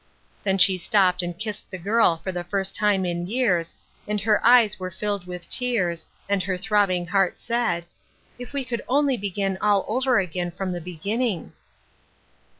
Then she stooped and kissed the girl for the first time in years, and her eyes were filled with tears, and her throbbing heart said, " If we could only begin all over again from the beginning